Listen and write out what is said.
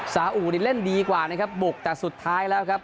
สาอูนี่เล่นดีกว่านะครับบกแต่สุดท้ายแล้วครับ